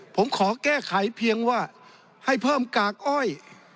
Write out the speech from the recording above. ผมขอแก้ไขเพียงว่าให้เพิ่มกากอ้อย